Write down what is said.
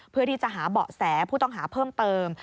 เพื่อที่จะหาเบาะแสผู้ต้องหาเพิ่มเติม